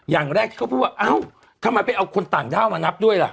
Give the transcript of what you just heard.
อย่างแรกที่เขาพูดว่าเอ้าทำไมไปเอาคนต่างด้าวมานับด้วยล่ะ